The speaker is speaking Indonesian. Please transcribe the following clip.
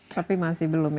tapi masih belum ya